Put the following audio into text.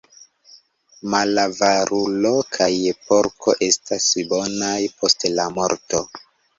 Malavarulo kaj porko estas bonaj post la morto.